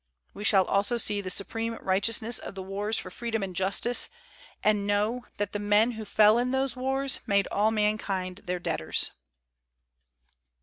We shall also see the supreme righteous ness of the wars for freedom and justice, and know that the men who fell in those wars made all mankind their debtors."